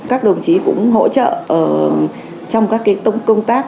các đồng chí cũng hỗ trợ trong các công tác